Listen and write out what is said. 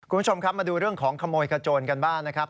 คุณผู้ชมครับมาดูเรื่องของขโมยขโจนกันบ้างนะครับ